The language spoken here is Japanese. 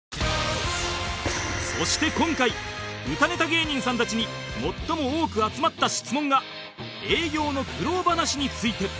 そして今回歌ネタ芸人さんたちに最も多く集まった質問が営業の苦労話について